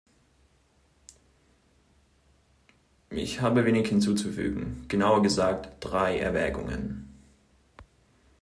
Ich habe wenig hinzuzufügen, genauer gesagt, drei Erwägungen.